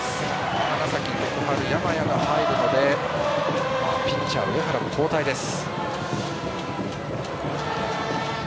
花咲徳栄、山谷が入るのでピッチャー・上原、交代です。